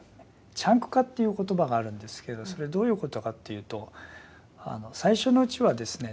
チャンク化という言葉があるんですけどそれどういうことかっていうと最初のうちはですね